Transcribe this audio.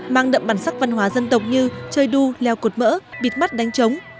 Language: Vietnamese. mang đậm bản sắc văn hóa dân tộc như chơi đu leo cột mỡ bịt mắt đánh trống